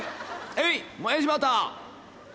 へいもやしバター！」